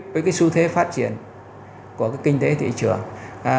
với cái xu thế phát triển của cái kinh tế thị trường